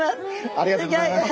ありがとうございます。